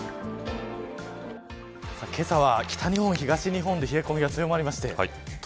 けさは北日本、東日本で冷え込みが強まりました。